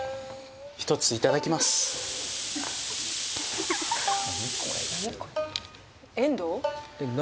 １ついただきます何？